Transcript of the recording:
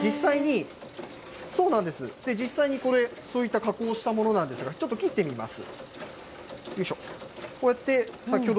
実際にこれ、そういった加工をしたものなんですが、ちょっと切ってみます。